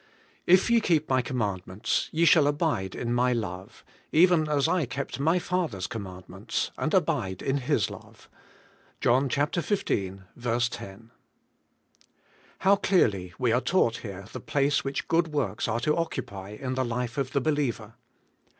'If ye keep my commandments, ye shall abide in my love; even as I kept my Father's commandments, and abide in His love. *— John xv. 10. HOW clearly we are taught here the place which good works are to occupy in the life of the believer!